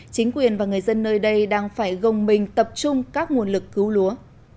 chính quyền và người dân nơi đây đang phải gồng mình tập trung các nguồn lực cứu lúa